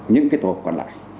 những cái tổ hợp còn lại